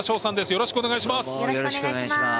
よろしくお願いします。